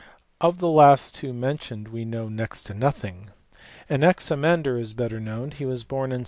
Of tho two mentioned last we know next to nothing. Anax winter is better known; he was born in B.